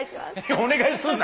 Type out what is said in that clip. お願いすんな。